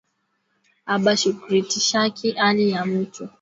Aba shurtishaki ali ya mutu